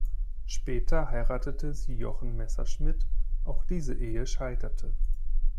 Später heiratete sie Jochen Messerschmidt, auch diese Ehe scheiterte.